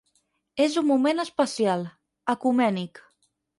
És un moment especial, ecumènic.